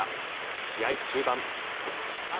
試合中盤。